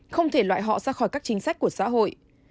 không thể loại họ ra khỏi các chính sách của xã hội